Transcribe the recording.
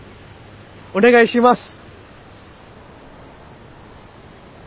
お願いします！